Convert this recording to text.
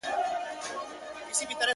-پر مزار به یې رپېږي جنډۍ ورو ورو-